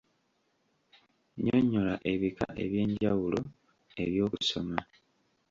Nnyonnyola ebika eby'enjawulo eby'okusoma.